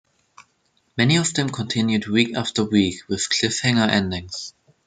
Many of them continued week after week, with cliff-hanger endings.